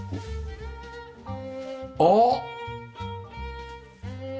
あっ！